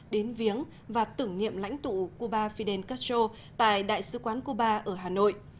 đến viếng và tử nghiệm lãnh tụ cuba fidel castro tại đại sứ quán cuba ở hà nội